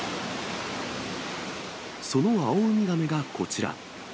そのアオウミガメがこちら。